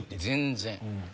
全然。